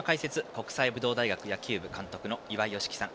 国際武道大学野球部監督の岩井美樹さん